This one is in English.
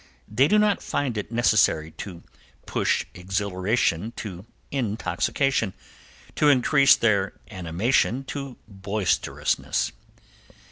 They do not find it necessary to push exhilaration to intoxication; to increase their animation to boisterousness.